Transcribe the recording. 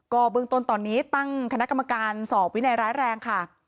ก็เบื้องต้นตอนนี้ตั้งคณะกรรมการสอบวินัยร้ายแรงค่ะ